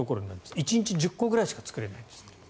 １日１０個ぐらいしか作れないんですって。